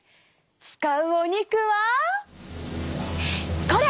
使うお肉はこれ！